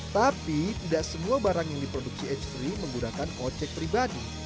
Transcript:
tapi tidak semua barang yang diproduksi h tiga menggunakan ojek pribadi